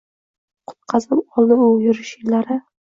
Qutqazib qoldi u urush yillari